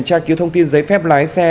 tra cứu thông tin giấy phép lái xe